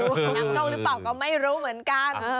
นำโชคหรือเปล่าก็ไม่รู้เหมือนกัน